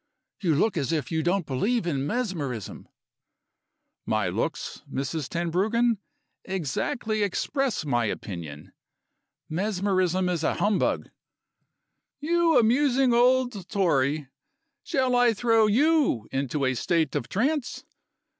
You look as if you don't believe in mesmerism." "My looks, Mrs. Tenbruggen, exactly express my opinion. Mesmerism is a humbug!" "You amusing old Tory! Shall I throw you into a state of trance?